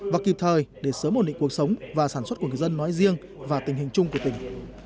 và kịp thời để sớm ổn định cuộc sống và sản xuất của người dân nói riêng và tình hình chung của tỉnh